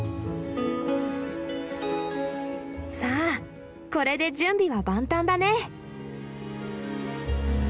さあこれで準備は万端だね。